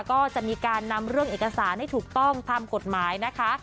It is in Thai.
ก็จะมีการนำเรื่องเอกสารให้ถูกต้องตามกฎหมายนะคะ